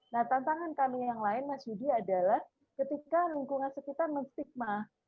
nah tantangan kami yang lain mas yudi adalah ketika lingkungan sekitar menstigma